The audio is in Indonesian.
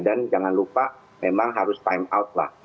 dan jangan lupa memang harus time out lah